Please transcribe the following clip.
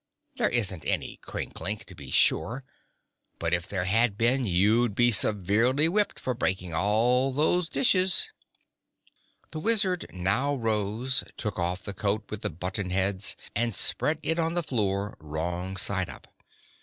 There isn't any Crinklink, to be sure; but if there had been you'd be severely whipped for breaking all those dishes." The Wizard now rose, took off the coat with the button heads, and spread it on the floor, wrong side up.